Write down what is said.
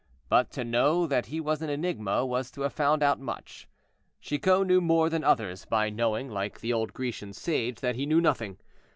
But to know that he was an enigma was to have found out much. Chicot knew more than others, by knowing, like the old Grecian sage, that he knew nothing.